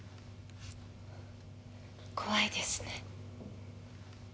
怖いですね。